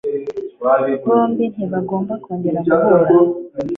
Bombi ntibagomba kongera guhura.